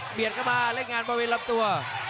เปลี่ยนเข้ามาเล่นงานบริเวณรับตัว